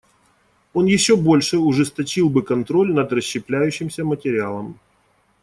Он еще больше ужесточил бы контроль над расщепляющимся материалом.